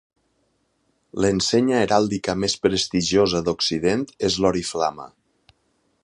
L'ensenya heràldica més prestigiosa d'Occident és l'oriflama.